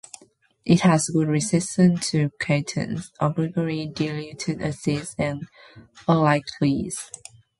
It has good resistance to ketones, ordinary diluted acids, and alkalies.